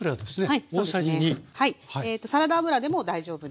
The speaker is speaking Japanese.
サラダ油でも大丈夫です。